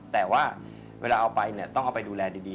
แต่ว่าเวลาเอาไปเนี่ยต้องเอาไปดูแลดี